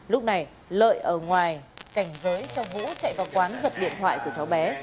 lúc này lợi ở ngoài cảnh giới cho vũ chạy vào quán giật điện thoại của cháu bé